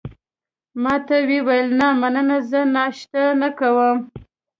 ما ورته وویل: نه، مننه، زه ناشته نه کوم.